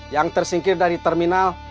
yang tersingkir dari terminal